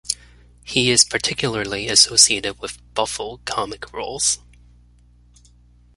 He is particularly associated with "buffo" (comic) roles.